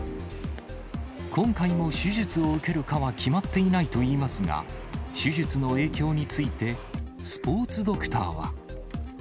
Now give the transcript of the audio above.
今回も手術を受けるかは決まっていないといいますが、手術の影響についてスポーツドクターは。